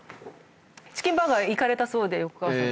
チキンバーガー行かれたそうで横川さん。